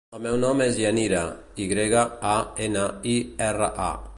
El meu nom és Yanira: i grega, a, ena, i, erra, a.